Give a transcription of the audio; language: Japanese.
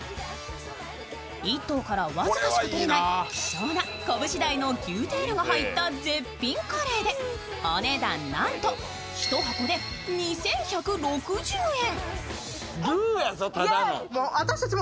１頭から僅かしか取れない希少なこぶし大の牛テールが入った絶品カレーでお値段なんと１箱で２１６０円。